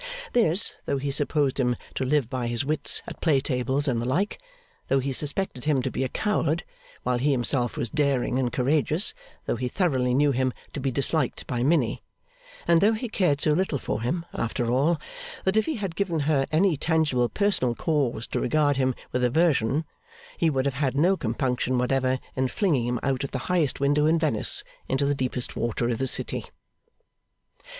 This, though he supposed him to live by his wits at play tables and the like; though he suspected him to be a coward, while he himself was daring and courageous; though he thoroughly knew him to be disliked by Minnie; and though he cared so little for him, after all, that if he had given her any tangible personal cause to regard him with aversion, he would have had no compunction whatever in flinging him out of the highest window in Venice into the deepest water of the city.